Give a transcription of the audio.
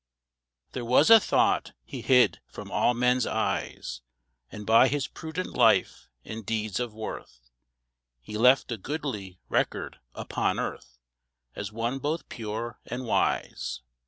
THERE was a thought he hid from all men's eyes, And by his prudent life and deeds of worth He left a goodly record upon earth As one both pure and wise.